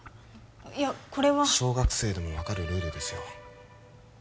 いやこれは小学生でも分かるルールですよ